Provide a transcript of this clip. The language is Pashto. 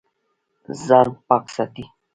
ځان پاک ساتئ